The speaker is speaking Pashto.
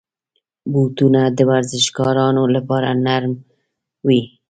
بوټونه د ورزشکارانو لپاره نرم وي.